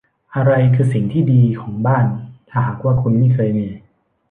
อะไรคือสิ่งที่ดีของบ้าน ถ้าหากว่าคุณไม่เคยมี